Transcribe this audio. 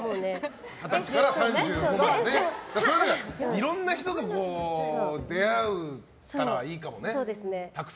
いろんな人と出会えたらいいかもね。